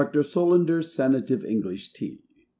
] Dr. SOLANDER's SANATIVE ENGLISH TEA.